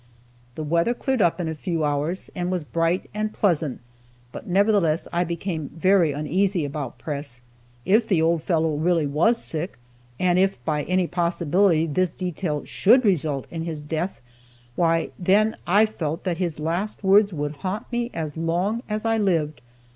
The weather cleared up in a few hours, and was bright and pleasant, but nevertheless I became very uneasy about Press. If the old fellow really was sick, and if, by any possibility, this detail should result in his death, why, then, I felt that his last words would haunt me as long as I lived.